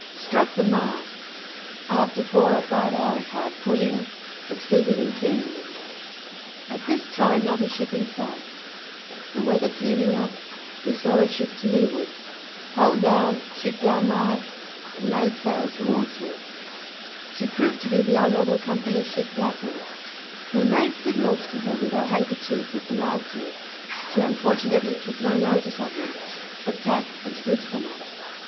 Struck the masts: after four or five hours hard pulling, succeeded in clearing them. At this time not a ship in sight; the weather clearing up, we saw a ship to leeward, hull down, shipped our masts, and made sail towards her; she proved to be the Honourable Company's ship Glatton. We made signals to her with our handkerchiefs at the mast head, she unfortunately took no notice of them, but tacked and stood from us.